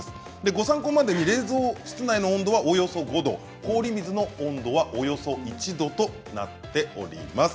ご参考までに冷蔵室内の温度はおよそ５度氷水の温度はおよそ１度となっております。